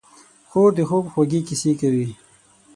خور د خوب خوږې کیسې کوي.